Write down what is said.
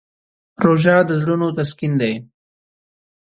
روژه د زړونو تسکین دی.